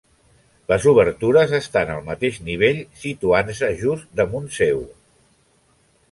Les obertures estan al mateix nivell situant-se just damunt seu.